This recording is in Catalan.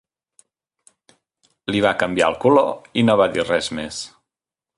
Li va canviar el color i no va dir res més.